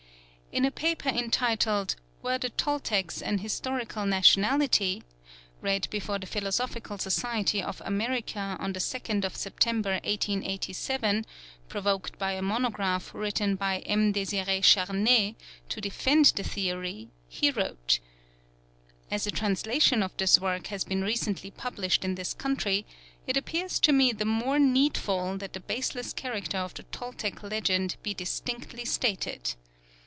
In a paper entitled "Were the Toltecs an Historical Nationality?" read before the Philosophical Society of America on the 2nd of September, 1887, provoked by a monograph written by M. Déesiré Charnay to defend the theory, he wrote: "As a translation of this work has been recently published in this country, it appears to me the more needful that the baseless character of the Toltec legend be distinctly stated....